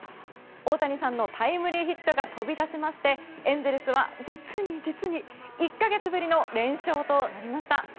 大谷さんのタイムリーヒットが飛び出しましてエンゼルスは実に実に１か月ぶりに連勝となりました。